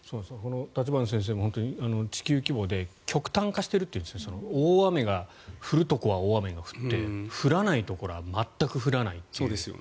立花先生も地球規模で極端化しているというんですか大雨が降るところは大雨が降って降らないところは全く降らないという。